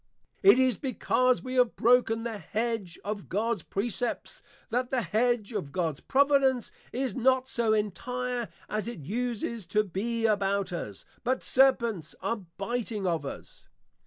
_ It is because we have broken the hedge of Gods Precepts, that the hedge of Gods Providence is not so entire as it uses to be about us; but Serpents are biting of us.